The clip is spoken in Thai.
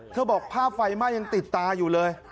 บอกภาพไฟไหม้ยังติดตาอยู่เลย